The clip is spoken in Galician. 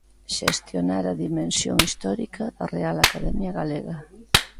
"Xestionar a dimensión histórica" da Real Academia Galega.